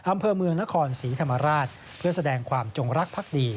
อำเภอเมืองนครศรีธรรมราชเพื่อแสดงความจงรักภักดี